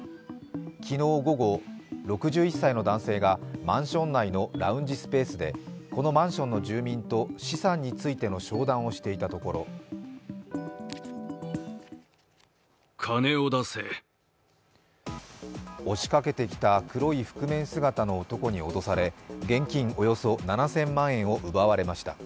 昨日午後、６１歳の男性がマンション内のラウンジスペースでこのマンションの住民と資産についての商談をしていたところ押しかけてきた黒い覆面姿の男に脅され、現金およそ７０００万円を奪われました。